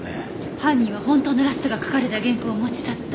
犯人は本当のラストが書かれた原稿を持ち去った。